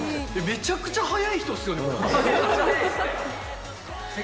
めちゃくちゃ速いですね。